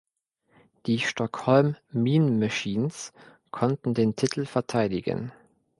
Die Stockholm Mean Machines konnten den Titel verteidigen.